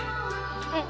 うん。